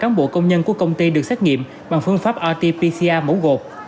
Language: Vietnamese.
bốn bốn trăm linh cán bộ công nhân của công ty được xét nghiệm bằng phương pháp rt pcr mẫu gột